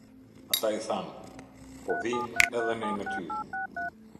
Ata i thanë: "Po vijmë edhe ne me ty".